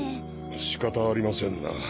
仕方ありませんな。